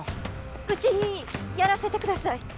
うちにやらせてください！